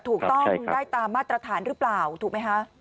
ถูกต้องได้ตามมาตรฐานหรือเปล่าถูกไหมคะ